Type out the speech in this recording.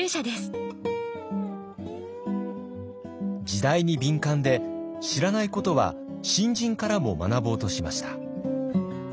時代に敏感で知らないことは新人からも学ぼうとしました。